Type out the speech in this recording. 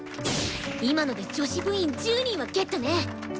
今ので女子部員１０人はゲットね！